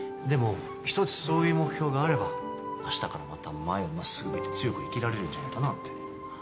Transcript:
でも１つそういう目標があれば明日からまた前をまっすぐ見て強く生きられるんじゃないかなって。